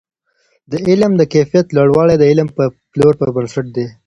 د علم د کیفیت لوړوالی د علم د پلور پر بنسټ دی.